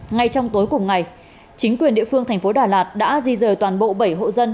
ngay trong tối cùng ngày chính quyền địa phương thành phố đà lạt đã di rời toàn bộ bảy hộ dân